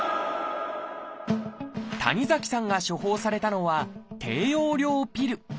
谷崎さんが処方されたのは「低用量ピル」。